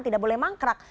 tidak boleh mangkrak